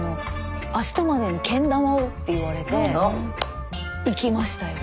「あしたまでにけん玉を」って言われて行きましたよ。